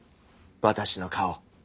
私の顔。